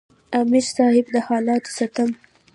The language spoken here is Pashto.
امیر صېب د حالاتو ستم،